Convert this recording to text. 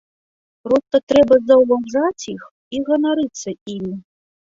Проста трэба заўважаць іх і ганарыцца імі.